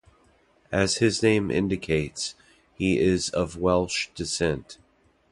As his name indicates, he is of Welsh descent.